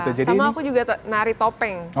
sama aku juga nari topeng